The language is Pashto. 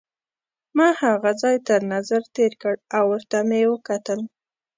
ما هغه ځای تر نظر تېر کړ او ورته مې وکتل.